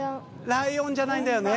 ライオンじゃないんだよね。